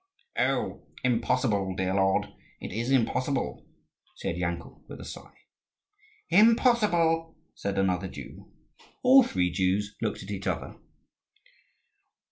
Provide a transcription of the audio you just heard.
"Oh, impossible, dear lord, it is impossible!" said Yankel with a sigh. "Impossible," said another Jew. All three Jews looked at each other.